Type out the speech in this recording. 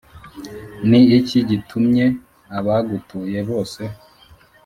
Ni iki gitumye abagutuye bose